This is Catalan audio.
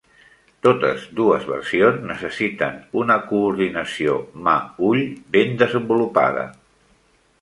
Totes dues versions necessiten una coordinació mà-ull ben desenvolupada.